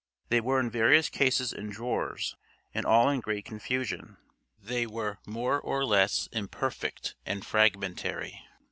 They were in various cases in drawers, and all in great confusion. They were more or less imperfect and fragmentary.